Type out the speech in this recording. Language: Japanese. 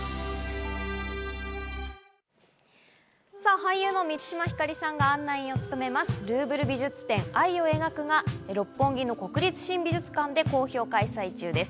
俳優の満島ひかりさんが案内人を務めます、「ルーヴル美術館展愛を描く」が六本木の国立新美術館で好評開催中です。